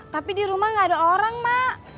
tapi di rumah gak ada orang mak